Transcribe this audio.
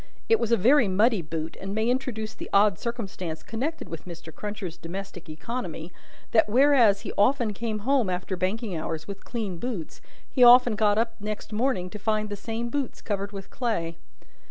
It was a very muddy boot, and may introduce the odd circumstance connected with Mr. Cruncher's domestic economy, that, whereas he often came home after banking hours with clean boots, he often got up next morning to find the same boots covered with clay.